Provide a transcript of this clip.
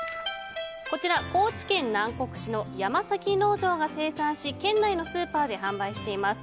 こちらは高知県南国市のヤマサキ農場が生産し県内のスーパーで販売しています。